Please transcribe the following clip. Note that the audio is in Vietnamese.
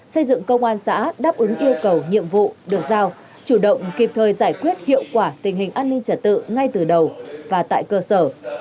xây dựng công an xã đáp ứng yêu cầu nhiệm vụ được giao chủ động kịp thời giải quyết hiệu quả tình hình an ninh trả tự ngay từ đầu và tại cơ sở